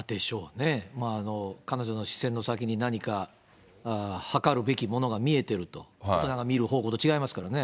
彼女の視線の先に何か計るべきものが見えてると、大人が見る方向と違いますからね。